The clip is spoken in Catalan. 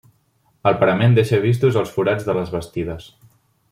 El parament deixa vistos els forats de les bastides.